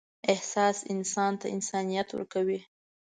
احساس انسان ته انسانیت ورکوي.